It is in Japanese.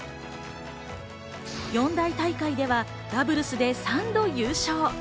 四大大会ではダブルスで３度優勝。